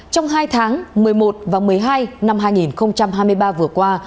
trong hai tháng một mươi một và một mươi hai năm hai nghìn hai mươi ba vừa qua